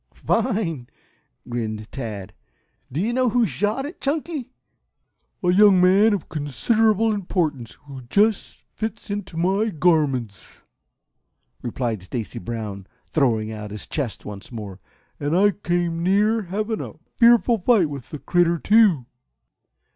"Fine!" grinned Tad. "Do you know who shot it, Chunky?" "A young man of considerable importance, who just fits into my garments," replied Stacy Brown, throwing out his chest once more. "And I came near having a fearful fight with the critter, too."